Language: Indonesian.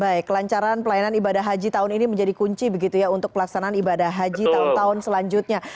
baik kelancaran pelayanan ibadah haji tahun ini menjadi kunci begitu ya untuk pelaksanaan ibadah haji tahun tahun selanjutnya